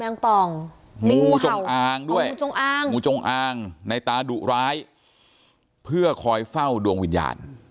งูจงอ้างด้วยงูจงอ้างในตาดุร้ายเพื่อคอยเฝ้าดวงวิญญาณ